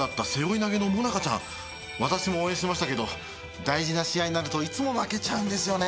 私も応援してましたけど大事な試合になるといつも負けちゃうんですよね。